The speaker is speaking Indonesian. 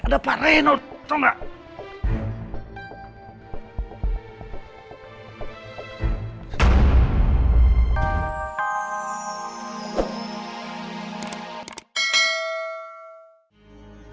ada pak reno tau nggak